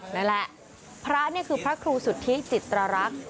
นั่นแหละพระนี่คือพระครูสุทธิจิตรรักษ์